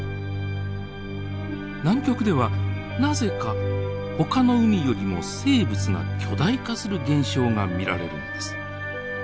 南極ではなぜかほかの海よりも生物が巨大化する現象が見られるのです。